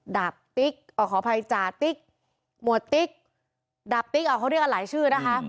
ดับติ๊กอ่อขอภัยจาติ๊กหมวดติ๊กดับติ๊กอ่าเขาเรียกอะไรชื่อนะคะ